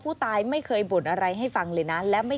ผู้ตายไม่เคยบ่นอะไรให้ฟังเลยนะ